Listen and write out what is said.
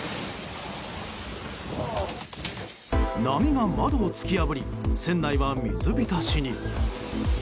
波が窓を突き破り船内は水浸しに。